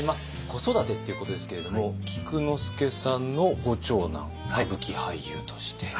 子育てっていうことですけれども菊之助さんのご長男歌舞伎俳優として。